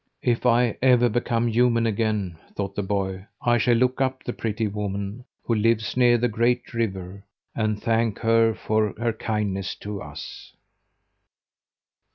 "If I ever become human again," thought the boy, "I shall look up the pretty woman who lives near the great river, and thank her for her kindness to us."